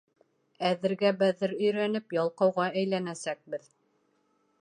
— Әҙергә-бәҙер өйрәнеп, ялҡауға әйләнәсәкбеҙ!